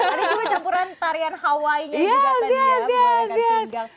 ada juga campuran tarian hawaii nya juga tadi ya